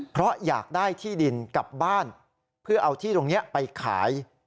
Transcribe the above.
เพราะอยากได้ที่ดินกลับบ้านเพื่อเอาที่ตรงนี้ไปขาย